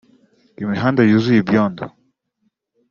imihand yuzuye ibyondo